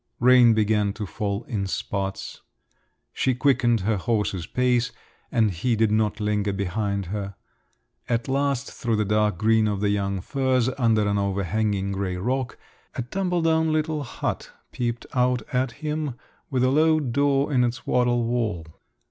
Rain began to fall in spots. She quickened her horse's pace, and he did not linger behind her. At last through the dark green of the young firs under an overhanging grey rock, a tumbledown little hut peeped out at him, with a low door in its wattle wall….